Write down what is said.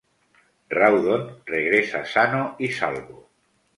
Rawdon regresa sano y salvo.